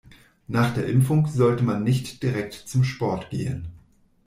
Nach der Impfung sollte man nicht direkt zum Sport gehen.